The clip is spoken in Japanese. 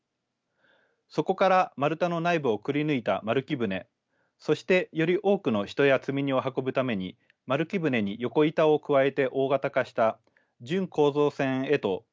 そこから丸太の内部をくりぬいた丸木舟そしてより多くの人や積み荷を運ぶために丸木舟に横板を加えて大型化した準構造船へと改良していきました。